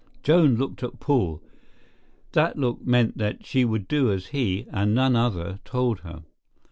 Joan looked at Paul. That look meant that she would do as he, and none other, told her.